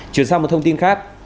chuyển sang một thông tin khác